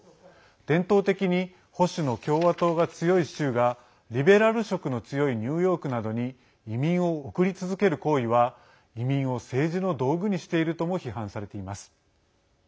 伝統的に保守の共和党が強い州がリベラル色の強いニューヨークなどに移民を送り続ける行為は移民を政治の道具にしているとも批判されています。